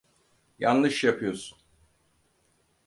Yanlış yapıyorsun.